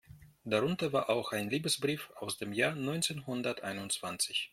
Darunter war auch ein Liebesbrief aus dem Jahr neunzehnhunderteinundzwanzig.